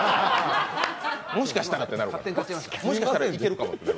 もしかしたらってなるから。